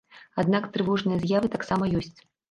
Аднак трывожныя з'явы таксама ёсць.